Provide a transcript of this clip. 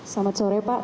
selamat sore pak